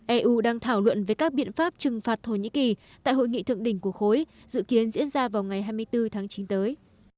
eu đang thảo luận về các biện pháp trừng phạt thổ nhĩ kỳ tại hội nghị thượng đỉnh của khối dự kiến diễn ra vào ngày hai mươi bốn tháng chín tới